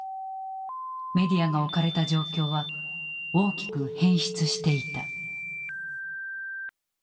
メディアが置かれた状況は大きく変質していた。